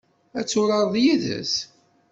Ad turareḍ yid-s?